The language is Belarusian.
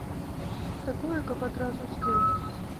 Такое, каб адразу з'еў.